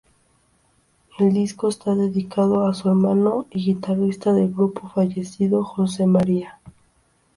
El disco está dedicado a su hermano y guitarrista del grupo fallecido Jose María.